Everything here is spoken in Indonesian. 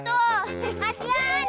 dia bisa dapat tenang